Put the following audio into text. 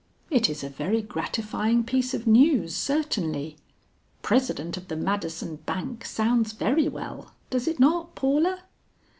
"It is a very gratifying piece of news certainly. President of the Madison Bank sounds very well, does it not, Paula?"